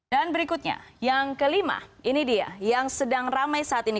dan berikutnya yang kelima ini dia yang sedang ramai saat ini